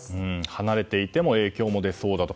離れていても影響も出そうだと。